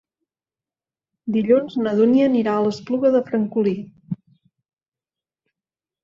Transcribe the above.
Dilluns na Dúnia anirà a l'Espluga de Francolí.